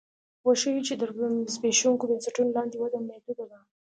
وښیو چې تر زبېښونکو بنسټونو لاندې وده محدوده ده